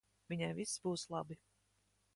Viņai viss būs labi.